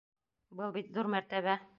Был бит ҙур мәртәбә!